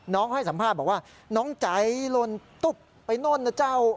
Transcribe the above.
น้องให้สัมภาพบอกว่าน้องใจลนตุ๊บไปน้นน่ะเจ้า